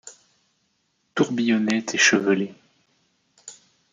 Tourbillonnaient échevelées